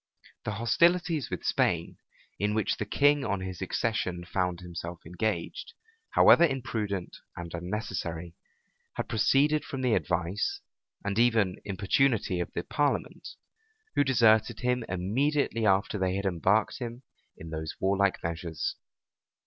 The hostilities with Spain, in which the king on his accession found himself engaged, however imprudent and unnecessary, had proceeded from the advice, and even importunity of the parliament; who deserted him immediately after they had embarked him in those warlike measures.